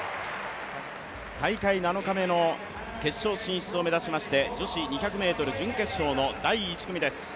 大会７日目の決勝進出を目指しまして女子２００ｍ準決勝の第１組です。